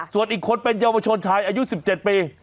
ส่วนอีกคนเป็นเยาวชนชายอายุ๑๗ปี